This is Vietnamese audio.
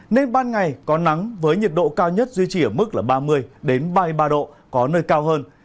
nên ban ngày có nắng với nhiệt độ cao nhất duy trì ở mức ba mươi ba mươi ba độ có nơi cao hơn